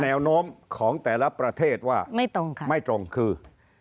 แนวโน้มของแต่ละประเทศว่าไม่ตรงคือ